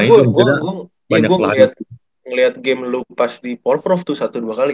gue liat game lu pas di power prof tuh satu dua kali